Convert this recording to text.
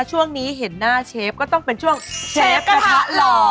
ช่วงนี้เห็นหน้าเชฟก็ต้องเป็นช่วงเชฟกระทะหล่อ